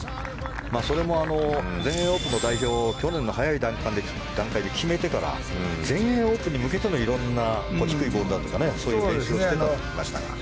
それも全英オープンの代表を去年の早い段階で決めてから全英オープンに向けての色んな低いボールだとかそういう練習をしてきたと聞きました。